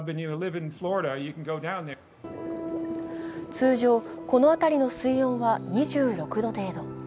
通常、この辺りの水温は２６度程度。